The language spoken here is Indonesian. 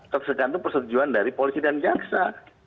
tergantung persetujuan dari polisi dan jaksa